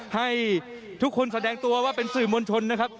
ให้ทุกคนแสดงตัวว่าเป็นสื่อมวลชนนะครับ